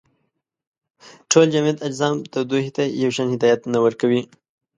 ټول جامد اجسام تودوخې ته یو شان هدایت نه ورکوي.